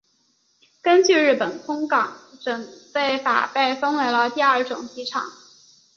根据日本空港整备法被分成第二种机场。